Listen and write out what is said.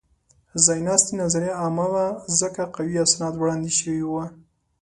ځایناستې نظریه عامه وه؛ ځکه قوي اسناد وړاندې شوي وو.